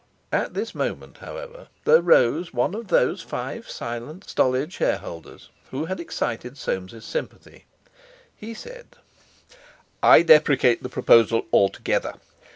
At this moment, however, there rose one of those five silent, stolid shareholders, who had excited Soames's sympathy. He said: "I deprecate the proposal altogether.